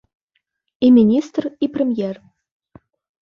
І міністр, і прэм'ер.